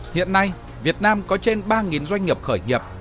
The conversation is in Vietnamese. hiện nay việt nam có trên ba doanh nghiệp khởi nghiệp